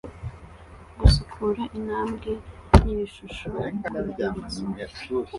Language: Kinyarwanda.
gusukura intambwe nibishusho kurwibutso